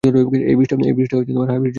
এই বীজটা হাইব্রিড জাতের।